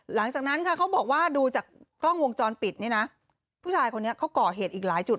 หลังจากนั้นดูจากกล้องวงจรปิดผู้ชายเป็นคนก่อเหตุอีกหลายจุด